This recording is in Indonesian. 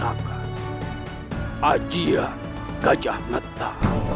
ajiah gajah mata